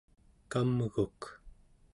kamguk